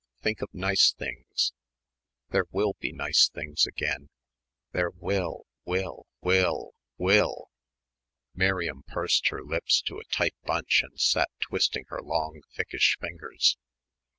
Think of nice things.... There will be nice things again ... there will, will, will, will." Miriam pursed her lips to a tight bunch and sat twisting her long thickish fingers.